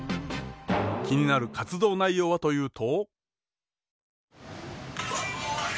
気になる活動内容はというと。